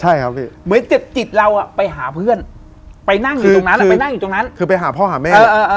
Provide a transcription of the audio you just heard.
เหมือนเจ็บจิตเราไปหาเพื่อนไปนั่งอยู่ตรงนั้น